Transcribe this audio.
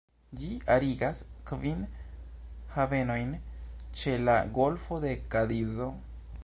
Ĝi arigas kvin havenojn ĉe la golfo de Kadizo.